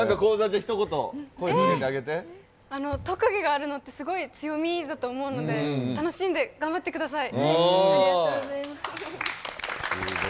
特技があるので、すごい強みだと思うので、楽しんで、頑張ってください。